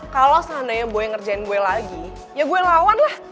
kalau seandainya gue yang ngerjain gue lagi ya gue lawan lah